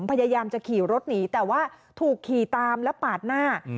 พยายามจะขี่รถหนีแต่ว่าถูกขี่ตามแล้วปาดหน้า